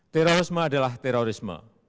terorisme adalah terorisme